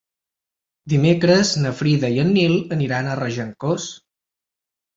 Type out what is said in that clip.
Dimecres na Frida i en Nil aniran a Regencós.